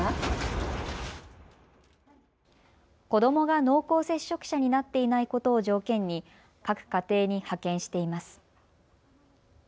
子どもが濃厚接触者になっていないことを条件に各家庭に派遣しています。